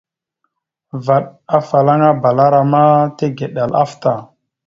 Vvaɗ afalaŋana aɓəlara ma tigəɗal afta.